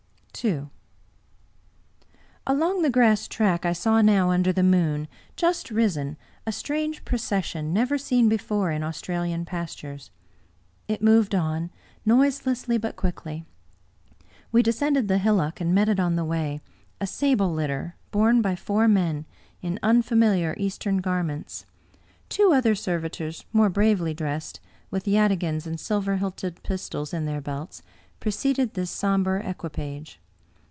II Along the grass track I saw now, under the moon, just risen, a strange procession — ^never seen before in Aus tralian pastures. It moved on, noiselessly but quickly. We descended the hillock, and met it on the way ; a sable litter, borne by four men, in unfamiliar Eastern garments; two other servitors, more bravely dressed, with yataghans and silver hilted pistols in their belts, preceded this somber equi page.